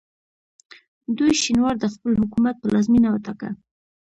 دوی شینوار د خپل حکومت پلازمینه وټاکه.